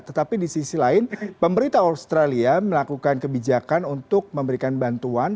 tetapi di sisi lain pemerintah australia melakukan kebijakan untuk memberikan bantuan